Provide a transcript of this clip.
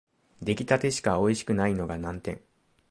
出来立てしかおいしくないのが難点